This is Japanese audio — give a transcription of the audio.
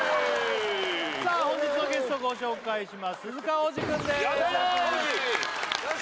さあ本日のゲストご紹介します鈴鹿央士くんです央士！